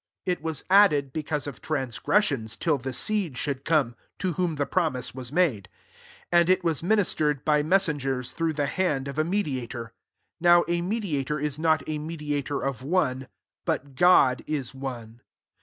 It was idded because of transgressions, B the seed should come, to jAtom the promise was made ; md it was ministered by mes psgers through the hand of a nediator. 20 Now a mediator S not a mediator of one; but Bk>d is one.